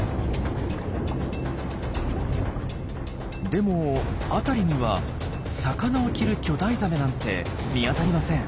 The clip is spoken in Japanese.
でも辺りには「魚を着る巨大ザメ」なんて見当たりません。